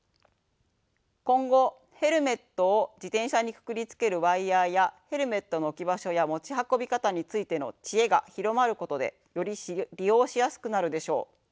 今後ヘルメットを自転車にくくりつけるワイヤーやヘルメットの置き場所や持ち運び方についての知恵が広まることでより利用しやすくなるでしょう。